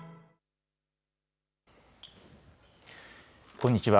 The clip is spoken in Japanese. こんにちは。